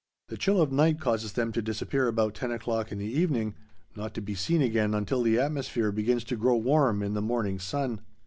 The chill of night causes them to disappear about ten o'clock in the evening, not to be seen again until the atmosphere begins to grow warm in the morning sun.